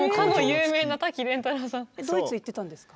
ドイツ行ってたんですか？